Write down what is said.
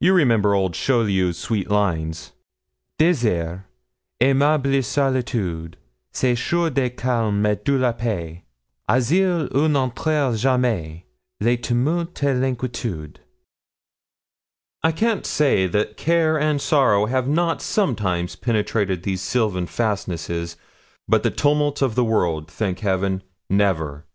You remember old Chaulieu's sweet lines Désert, aimable solitude, Séjour du calme et de la paix, Asile où n'entrèrent jamais Le tumulte et l'inquiétude. I can't say that care and sorrow have not sometimes penetrated these sylvan fastnesses; but the tumults of the world, thank Heaven! never.'